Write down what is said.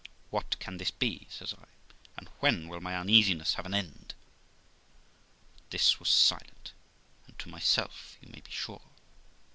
What can this be?' says I; 'and when will my uneasiness have an end ?' But this was silent, and to myself, you may be sure.